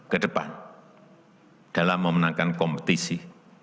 kedepan dalam memenangkan kompetisi